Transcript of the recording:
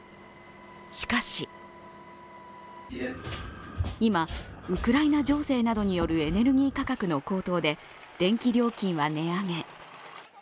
しかし、今、ウクライナ情勢などによるエネルギー価格の高騰で電気料金は値上げ。